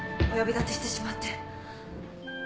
お呼び立てしてしまって。